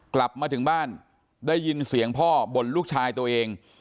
กลับมาถึงบ้านได้ยินเสียงพ่อบ่นลูกชายตัวเอง